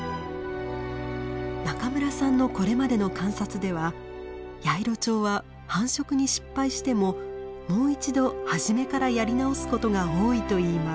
中村さんのこれまでの観察ではヤイロチョウは繁殖に失敗してももう一度初めからやり直すことが多いといいます。